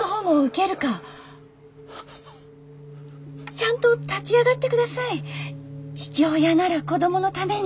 ちゃんと立ち上がってください父親なら子供のために。